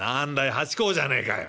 八公じゃねえかよ。